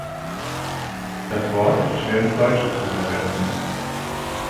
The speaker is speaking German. Das Wort ist schwer ins Deutsche zu übersetzen.